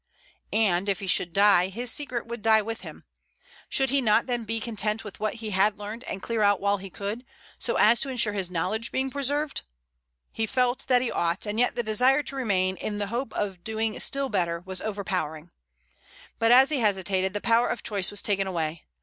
And if he should die, his secret would die with him. Should he not then be content with what he had learned and clear out while he could, so as to ensure his knowledge being preserved? He felt that he ought, and yet the desire to remain in the hope of doing still better was overpowering. But as he hesitated the power of choice was taken away.